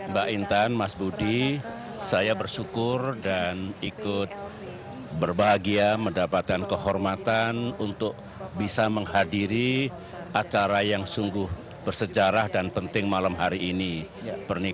mbak intan mas budi saya bersyukur dan ikut berbahagia mendapatkan kehormatan untuk bisa menghadiri acara yang sungguh bersejarah dan penting malam hari ini